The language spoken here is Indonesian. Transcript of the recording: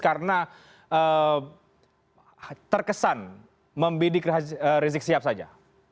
karena terkesan membidik rezeki siap saja